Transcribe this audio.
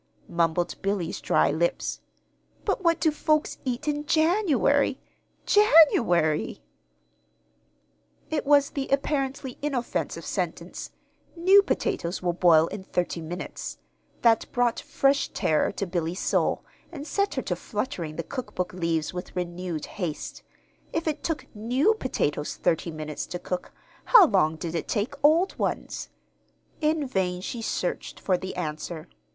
mumbled Billy's dry lips. "But what do folks eat in January January?" It was the apparently inoffensive sentence, "New potatoes will boil in thirty minutes," that brought fresh terror to Billy's soul, and set her to fluttering the cookbook leaves with renewed haste. If it took new potatoes thirty minutes to cook, how long did it take old ones? In vain she searched for the answer.